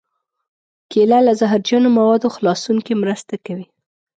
کېله له زهرجنو موادو خلاصون کې مرسته کوي.